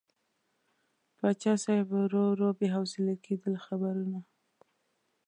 پاچا صاحب ورو ورو بې حوصلې کېده له خبرو نه.